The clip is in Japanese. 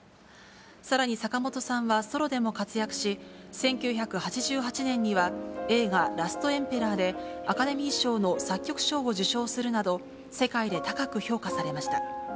さらに坂本さんは、ソロでも活躍し、１９８８年には、映画、ラストエンペラーでアカデミー賞の作曲賞を受賞するなど、世界で高く評価されました。